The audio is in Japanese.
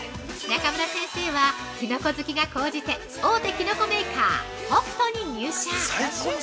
中村先生は、きのこ好きが講じて、大手きのこメーカー「ホクト」に入社。